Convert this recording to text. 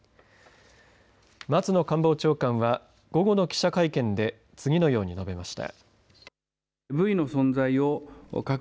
松野官房長官は午後の記者会見で次のように述べました。